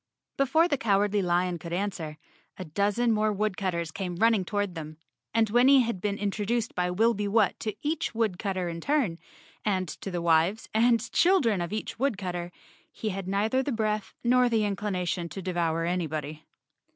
Before the Cowardly Lion could answer, a dozen more woodcutters came running toward them and when he had been introduced by Wilby Whut to each wood¬ cutter in turn, and to the wives and children of each woodcutter, he had neither the breath nor the inclina¬ tion to devour anybody.